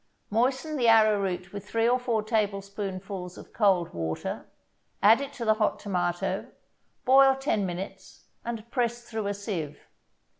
Moisten the arrowroot with three or four tablespoonfuls of cold water, add it to the hot tomato, boil ten minutes, and press through a sieve.